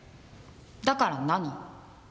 だから何？